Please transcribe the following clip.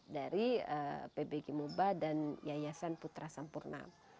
dari pbg muba dan yayasan putra sampurna